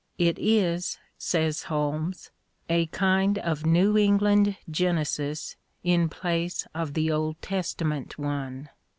" It is," says Holmes, " a kind of New England Genesis in place of the Old Testament one."